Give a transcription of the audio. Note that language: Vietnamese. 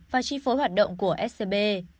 và chi phối hoạt động của scb